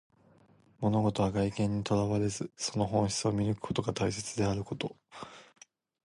物事は外見にとらわれず、その本質を見抜くことが大切であるということ。